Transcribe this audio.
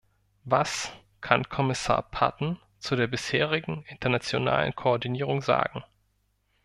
Was kann Kommissar Patten zu der bisherigen internationalen Koordinierung sagen?